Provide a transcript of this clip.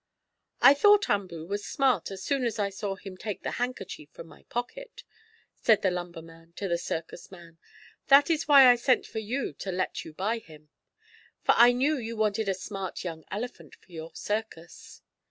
"I thought Umboo was smart as soon as I saw him take the handkerchief from my pocket," said the lumber man to the circus man. "That is why I sent for you to let you buy him. For I knew you wanted a smart, young elephant for your circus."